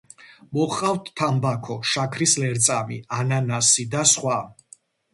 მოჰყავთ თამბაქო, შაქრის ლერწამი, ანანასი და სხვა.